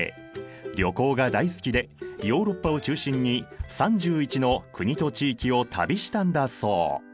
旅行が大好きでヨーロッパを中心に３１の国と地域を旅したんだそう！